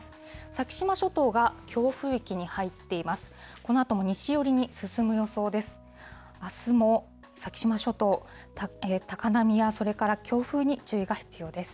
先島諸島が強風域に入っています。